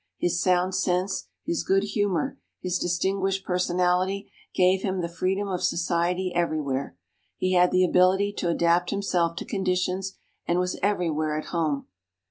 His sound sense, his good humor, his distinguished personality, gave him the freedom of society everywhere. He had the ability to adapt himself to conditions, and was everywhere at home.